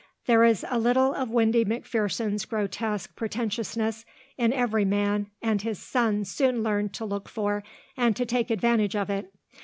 There is a little of Windy McPherson's grotesque pretentiousness in every man and his son soon learned to look for and to take advantage of it.